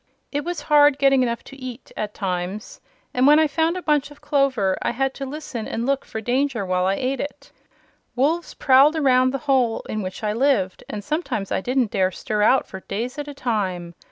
It was hard getting enough to eat, at times, and when I found a bunch of clover I had to listen and look for danger while I ate it. Wolves prowled around the hole in which I lived and sometimes I didn't dare stir out for days at a time.